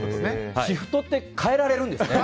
シフトって変えられるんですね